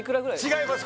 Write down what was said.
違います